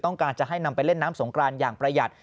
ต้องการจะให้นำไปเล่นน้ำสงกรานอย่างประหยัด